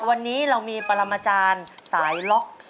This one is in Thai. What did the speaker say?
วันนี้เรามีปรมาจารย์สายล็อก